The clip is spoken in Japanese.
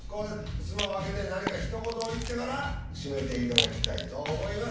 ふすまを開けて何かひと言を言ってから閉めていただきたいと思います。